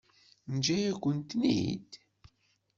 Teǧǧa-yakent-ten-id?